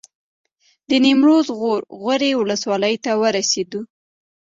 د نیمروز غور غوري ولسوالۍ ته ورسېدو.